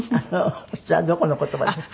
それはどこの言葉ですか？